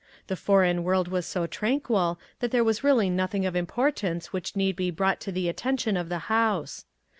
The foreign world was so tranquil that there was really nothing of importance which need be brought to the attention of the House.